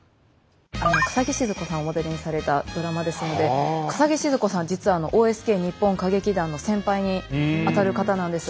笠置シヅ子さんをモデルにされたドラマですので笠置シヅ子さん実はＯＳＫ日本歌劇団の先輩にあたる方なんです。